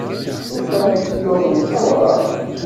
Llufan-agi yuḍen sawraɣ.